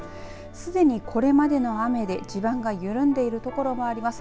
すでにこれまでの雨で地盤が緩んでいるところもあります。